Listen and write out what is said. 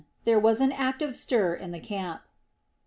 There was an active stir in the camp.